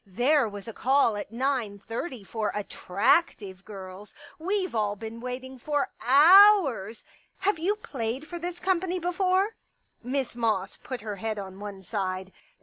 " There was a call at nine thirty for attractive girls. WeVe all been waiting for hours. Have you played for this company befone ?" Miss Moss put her head on one side.